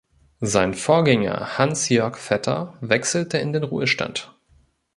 Sein Vorgänger Hans-Jörg Vetter wechselte in den Ruhestand.